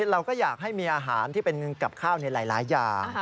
เราก็อยากให้มีอาหารที่เป็นกับข้าวในหลายอย่าง